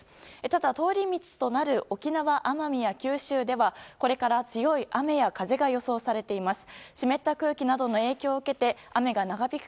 ただ、通り道となる沖縄、奄美や九州ではこれから強い雨や風が予想されています。